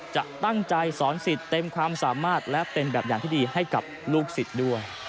จะตั้งใจสอนสิทธิ์เต็มความสามารถและเป็นแบบอย่างที่ดีให้กับลูกศิษย์ด้วย